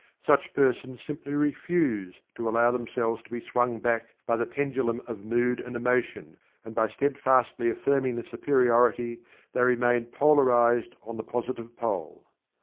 Such persons simply "refuse" to allow themselves to be swung back by the pendulum of mood and emotion, and by steadfastly affirming the superiority they remain polarized on the Positive pole.